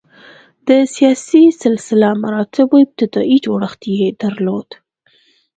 د سیاسي سلسله مراتبو ابتدايي جوړښت یې درلود.